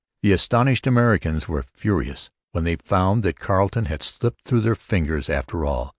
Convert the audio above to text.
The astonished Americans were furious when they found that Carleton had slipped through their fingers after all.